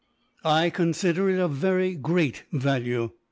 "I consider it of very great value.